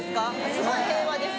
すごい平和です